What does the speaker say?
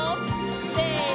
せの！